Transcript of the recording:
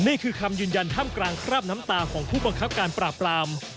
นี่คือคำยืนยันท่ามกลางคราบน้ำตาของผู้บังคับการปราบปราม